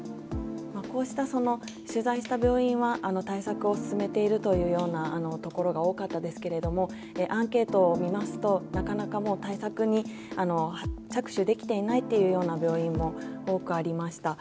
まあこうした取材した病院は対策を進めているというようなところが多かったですけれどもアンケートを見ますとなかなかもう対策に着手できていないっていうような病院も多くありました。